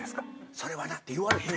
それはな。って言われへん。